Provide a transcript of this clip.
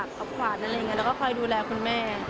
ขับขวัญอะไรอย่างนี้แล้วก็คอยดูแลคุณแม่